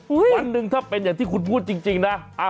วันหนึ่งถ้าเป็นอย่างที่คุณพูดจริงนะ